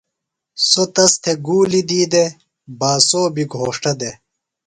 سوۡ تس تھےۡ گُولیۡ دی دےۡ باسو بیۡ گھوݜٹہ دےۡ۔